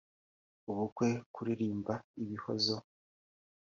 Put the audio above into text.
ubukwe kuririmba ibihozo